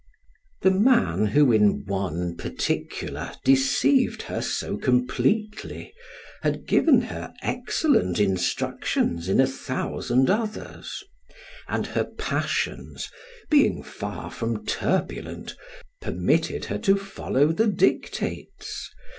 The man who in one particular deceived her so completely, had given her excellent instructions in a thousand others; and her passions, being far from turbulent, permitted her to follow the dictates.